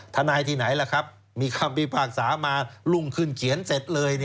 ทนายที่ไหนล่ะครับมีคำพิพากษามารุ่งขึ้นเขียนเสร็จเลย